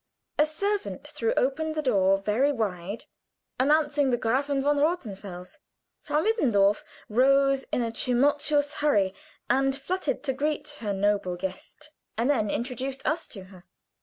A servant threw open the door very wide, announcing the Gräfin von Rothenfels. Frau Mittendorf rose in a tremulous hurry and flutter to greet her noble guest, and then introduced us to her.